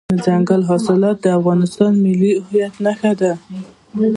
دځنګل حاصلات د افغانستان د ملي هویت نښه ده.